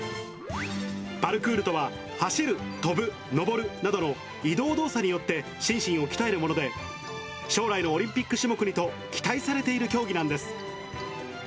パルクールとは、走る、跳ぶ、登るなどの移動動作によって心身を鍛えるもので、将来のオリンピック種目にと期待されている競技なんです。